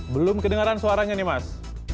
belum kedengaran suaranya nih mas